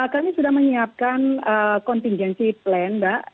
kami sudah menyiapkan contingency plan mbak